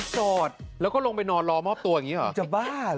จัดจ่ะแล้วก็ลงไปนอนรอมอบตัวอย่างงี้หรอจริงจ้ะบ้าหรอ